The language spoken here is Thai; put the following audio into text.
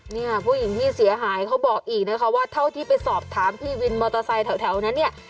เนี่ยผู้หญิงที่เสียหายเขาบอกอีกนะคะว่าเท่าที่ไปสอบถามพี่วินมอเตอร์ไซค์แถวนั้นเนี่ย